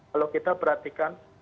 kalau kita perhatikan